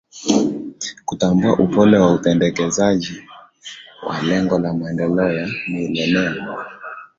Kutambua upole wa utendekezaji wa Lengo la Maendeleo ya Milenea